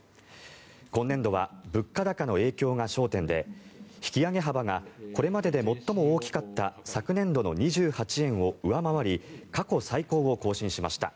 今年度は物価高の影響が焦点で引き上げ幅がこれまでで最も大きかった昨年度の２８円を上回り過去最高を更新しました。